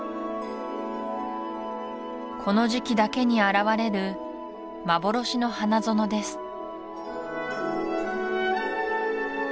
この時期だけに現れる幻の花園です